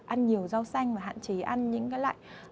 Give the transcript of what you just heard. ăn nhiều rau xanh và hạn chế ăn những cái loại